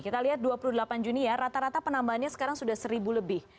kita lihat dua puluh delapan juni ya rata rata penambahannya sekarang sudah seribu lebih